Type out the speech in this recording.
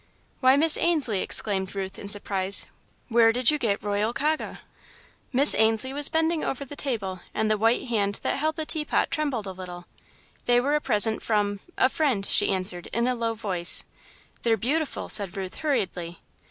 "Why, Miss Ainslie," exclaimed Ruth, in surprise, "where did you get Royal Kaga?" Miss Ainslie was bending over the table, and the white hand that held the teapot trembled a little. "They were a present from a friend," she answered, in a low voice. "They're beautiful," said Ruth, hurriedly.